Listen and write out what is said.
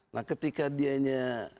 nah ketika dia nya